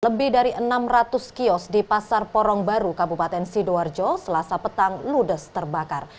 lebih dari enam ratus kios di pasar porong baru kabupaten sidoarjo selasa petang ludes terbakar